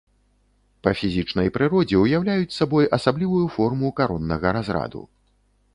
Па фізічнай прыродзе ўяўляюць сабой асаблівую форму кароннага разраду.